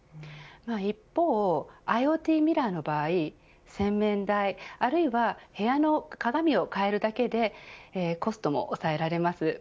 一方、ＩｏＴミラーの場合洗面台あるいは部屋の鏡を変えるだけでコストも抑えられます。